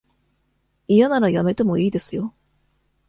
嫌ならやめてもいいですよ。